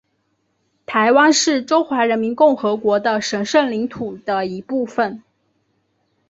台湾是中华人民共和国的神圣领土的一部分